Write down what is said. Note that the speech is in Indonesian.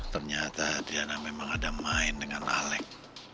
ternyata diana memang ada main dengan alec